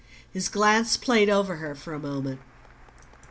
His glance played over her for a moment.